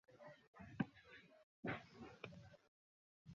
আল্লাহ আবারও সাত বছরের জন্যে তার শ্রবণ শক্তি বন্ধ রাখেন।